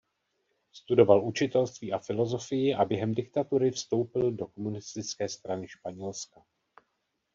Studoval učitelství a filosofii a během diktatury vstoupil do Komunistické strany Španělska.